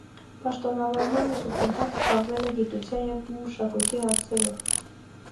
Պաշտոնավարմանը զուգընթաց զբաղվել է գիտության ու մշակույթի հարցերով։